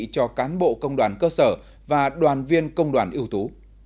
cho cán bộ công đoàn cơ sở và đoàn viên công đoàn ưu tú